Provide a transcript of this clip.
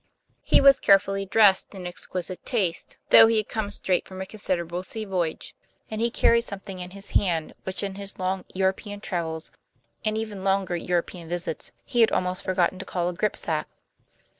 He was carefully dressed in exquisite taste, though he had come straight from a considerable sea voyage; and he carried something in his hand which in his long European travels, and even longer European visits, he had almost forgotten to call a gripsack.